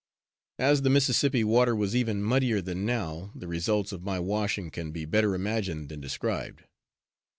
As the Mississippi water was even muddier than now, the results of my washing can be better imagined than described.